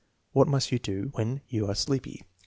"What must you do": "When you are sleepy?"